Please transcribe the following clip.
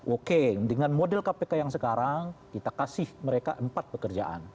oke dengan model kpk yang sekarang kita kasih mereka empat pekerjaan